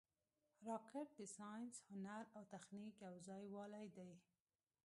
راکټ د ساینس، هنر او تخنیک یو ځای والې دی